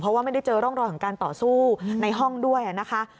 เพราะว่าไม่ได้เจอร่องรอยของการต่อสู้ในห้องด้วยนะคะ